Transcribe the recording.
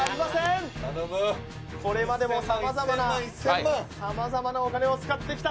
これまでもさまざまなお金を使ってきた。